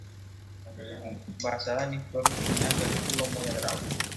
Basada en la historia original de Arturo Moya Grau.